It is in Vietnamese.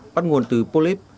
bắt nguồn từ phô líp